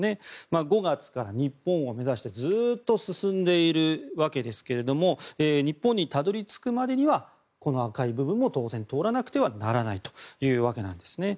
５月から日本を目指してずっと進んでいるわけですけれども日本にたどり着くまでにはこの赤い部分も当然、通らなくてはならないわけなんですね。